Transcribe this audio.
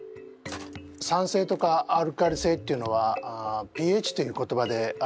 酸性とかアルカリ性っていうのはｐＨという言葉で表されます。